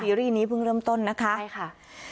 ซีรีส์นี้เพิ่งเริ่มต้นนะคะ